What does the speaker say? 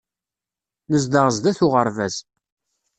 Nezdeɣ sdat uɣerbaz.